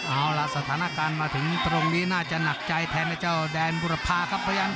เอาล่ะสถานการณ์มาถึงตรงนี้น่าจะหนักใจแทนไอ้เจ้าแดนบุรพาครับ